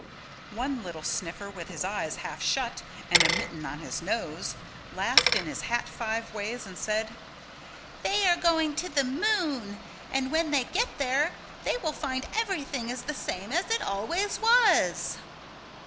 One little sniffer with his eyes half shut and a mitten on his nose, laughed in his hat five ways and said, "They are going to the moon and when they get there they will find everything is the same as it always was."